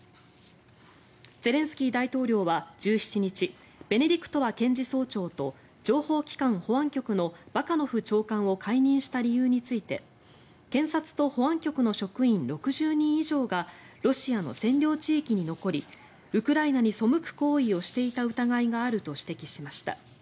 ゼレンスキー大統領は１７日ベネディクトワ検事総長と情報機関保安局のバカノフ長官を解任した理由について検察と保安局の職員６０人以上がロシアの占領地域に残りウクライナに背く行為をしていた疑いがあると指摘しました。